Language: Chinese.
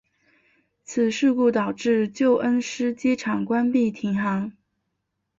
此事故导致旧恩施机场关闭停航。